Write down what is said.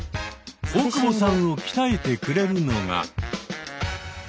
大久保さんを鍛えてくれるのが。